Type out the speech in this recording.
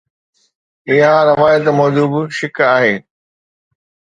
اها روايت موجب شڪ آهي